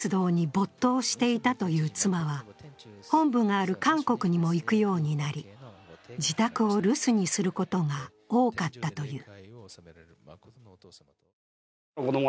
教団活動に没頭していたという妻は本部がある韓国にも行くようになり自宅を留守にすることが多かったという。